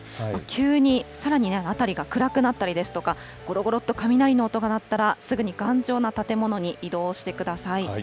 急に、さらに辺りが暗くなったりですとか、ごろごろっと雷の音が鳴ったら、すぐに頑丈な建物に移動してください。